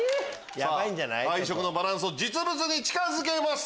配色のバランスを実物に近づけます。